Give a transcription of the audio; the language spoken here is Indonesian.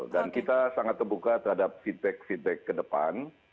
dan kita sangat terbuka terhadap feedback feedback ke depan